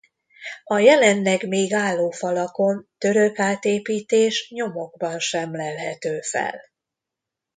A jelenleg még álló falakon török átépítés nyomokban sem lelhető fel.